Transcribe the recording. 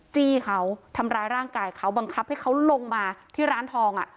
จี้เขาทำร้ายร่างกายเขาบังคับให้เขาลงมาที่ร้านทองอ่ะ